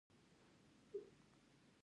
ایا تاسو تجربه لرئ؟